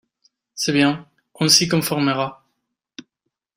C’est bien… on s’y conformera…